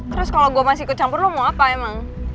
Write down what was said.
terus kalau gue masih ikut campur lo mau apa emang